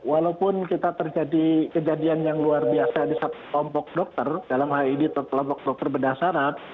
walaupun kita terjadi kejadian yang luar biasa di satu kelompok dokter dalam hid total kelompok dokter berdasarat